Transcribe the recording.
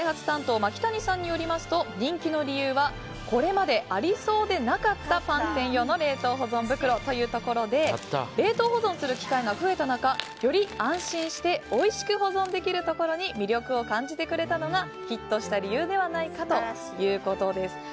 担当牧谷さんによりますと人気の理由はこれまでありそうでなかったパン専用の冷凍保存袋というところで冷凍保存する機会が増えた中より安心しておいしく保存できるところに魅力を感じてくれたのがヒットした理由ではないかということです。